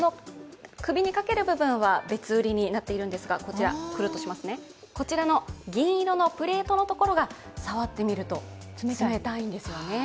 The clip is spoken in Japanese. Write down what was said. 首にかける部分は別売りになっているんですが、こちらの銀色のプレートのところが触ってみると、冷たいんですよね。